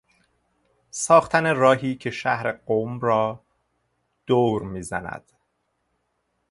ساختن راهی که شهر قم را دور میزند